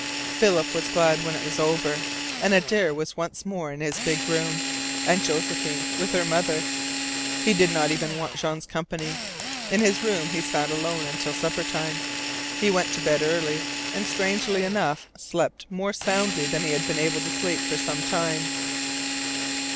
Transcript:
Philip was glad when it was over, and Adare was once more in his big room, and Josephine with her mother. He did not even want Jean's company. In his room he sat alone until supper time. He went to bed early, and strangely enough slept more soundly than he had been able to sleep for some time.